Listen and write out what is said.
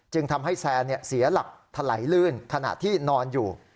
ทำให้แซนเสียหลักถลายลื่นขณะที่นอนอยู่